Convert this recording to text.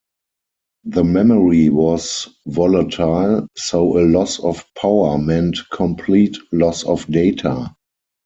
The memory was volatile, so a loss of power meant complete loss of data.